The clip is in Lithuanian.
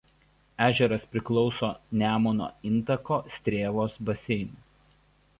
Ežeras priklauso Nemuno intako Strėvos baseinui.